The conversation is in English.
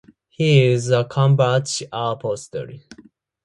He is a Cambridge Apostle.